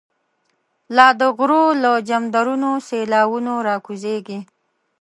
لا دغرو له جمدرونو، سیلاوونه ر ا کوزیږی